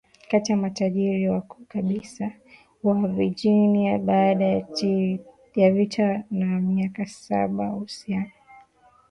kati ya matajiri wakuu kabisa wa VirginiaBaada ya vita ya miaka saba uhusiano